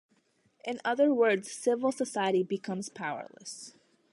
In other words, Civil Society becomes powerless.